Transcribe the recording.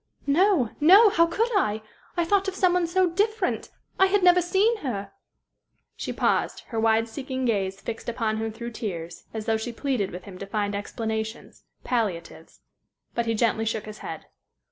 "No, no! How could I? I thought of some one so different I had never seen her " She paused, her wide seeking gaze fixed upon him through tears, as though she pleaded with him to find explanations palliatives. But he gently shook his head.